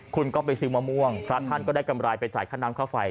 คุณก็ไปซื้อมะม่วงพระท่านก็ได้กำไรไปจ่ายค่าน้ำค่าไฟ